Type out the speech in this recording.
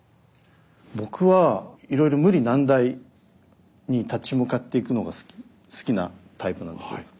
僕はいろいろ無理難題に立ち向かっていくのが好きなタイプなんですね。